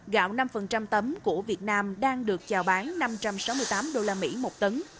gạo năm tấm của việt nam đang được chào bán năm trăm sáu mươi tám usd một tấn